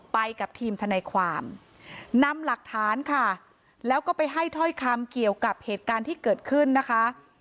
ไปกับทีมทนายความนำหลักฐานค่ะแล้วก็ไปให้ถ้อยคำเกี่ยวกับเหตุการณ์ที่เกิดขึ้นนะคะ